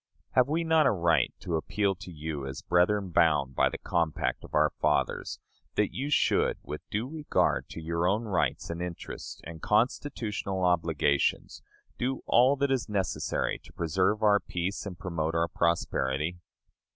Have we not a right to appeal to you, as brethren bound by the compact of our fathers, that you should, with due regard to your own rights and interests and constitutional obligations, do all that is necessary to preserve our peace and promote our prosperity?